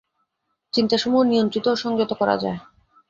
চিন্তাসমূহ নিয়ন্ত্রিত ও সংযত করা যায়।